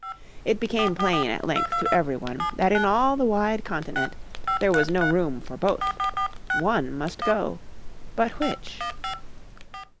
It became plain at length to every one that in all the wide continent there was no room for both. One must go. But which?